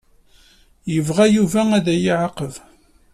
Yebɣa Yuba ad iyi-ɛaqeb.